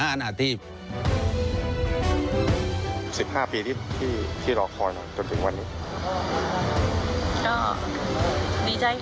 อันดับสุดท้าย